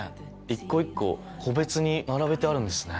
一個一個個別に並べてあるんですね。